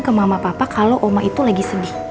ke mama papa kalau oma itu lagi sedih